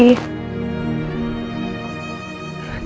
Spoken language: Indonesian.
dia itu jahat